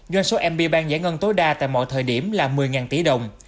do số mb bank giải ngân tối đa tại mọi thời điểm là một mươi tỷ đồng